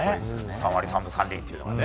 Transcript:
３割３分３厘というのはね。